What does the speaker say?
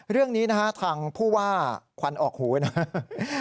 เรื่องนี้ทางผู้ว่าควันออกหูนะ